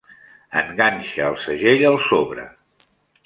Enganxa el segell al sobre.